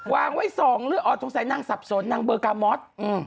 วางไว้สองเรื่องอ๋อสงสัยนางสับสนนางเบอร์กามอส